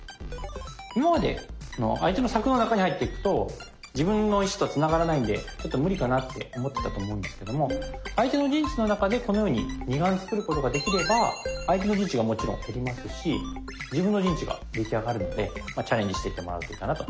今まで相手の柵の中に入っていくと自分の石とつながらないんでちょっと無理かなって思ってたと思うんですけども相手の陣地の中でこのように二眼つくることができれば相手の陣地がもちろん減りますし自分の陣地ができあがるのでチャレンジしていってもらうといいかなと。